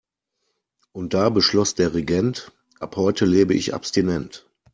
Und da beschloss der Regent: Ab heute lebe ich abstinent.